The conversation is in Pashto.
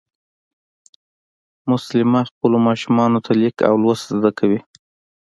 مسلیمه خپلو ماشومانو ته لیک او لوست زده کوي